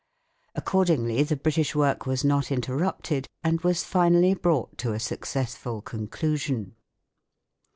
Accordingly the British work was not interrupted, and was finally brought to a successful conclusion.